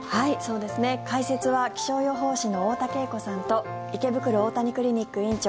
解説は気象予報士の太田景子さんと池袋大谷クリニック院長